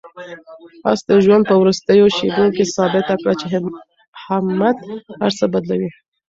آس د ژوند په وروستیو شېبو کې ثابته کړه چې همت هر څه بدلوي.